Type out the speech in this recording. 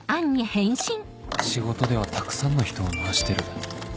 仕事ではたくさんの人を回してる